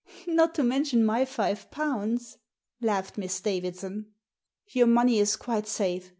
"Not to mention my five pounds," laughed Miss Davidson. "Your money is quite safe.